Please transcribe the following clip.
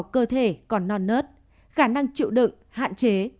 khả năng chịu đựng hạn chế